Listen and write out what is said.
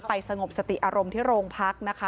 สงบสติอารมณ์ที่โรงพักนะคะ